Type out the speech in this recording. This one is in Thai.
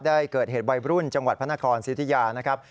ได้เกิดเหตุวัยรุ่นจังหวัดพระนครสิทธิยานะครับ